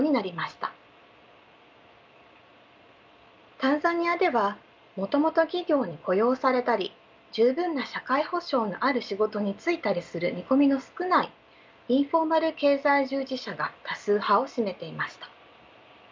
タンザニアではもともと企業に雇用されたり十分な社会保障のある仕事に就いたりする見込みの少ないインフォーマル経済従事者が多数派を占めていました。